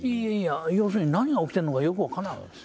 要するに何が起きてるのかよく分かんないわけです。